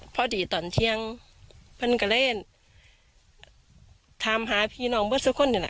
พอดีตอนเทียงเพื่อนก็เล่นทำหาพี่หนอบอสุกคนเนี้ยล่ะ